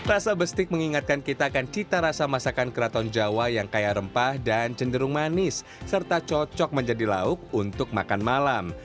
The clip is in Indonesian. rasa bestik mengingatkan kita akan cita rasa masakan keraton jawa yang kaya rempah dan cenderung manis serta cocok menjadi lauk untuk makan malam